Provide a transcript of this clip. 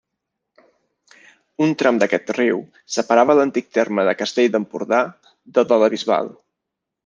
Un tram d'aquest riu separava l'antic terme de Castell d'Empordà del de la Bisbal.